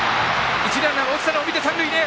一塁ランナーが落ちたのを見て三塁に！